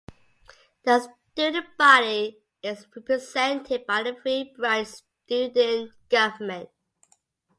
The student body is represented by the three-branch Student Government.